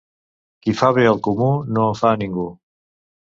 Qui fa bé al comú, no en fa a ningú.